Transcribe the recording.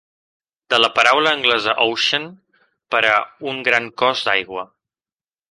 De la paraula anglesa "ocean" per a "un gran cos d'aigua".